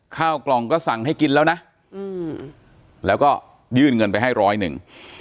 ข้าวกล่องก็สั่งให้กินแล้วนะอืมแล้วก็ยื่นเงินไปให้ร้อยหนึ่ง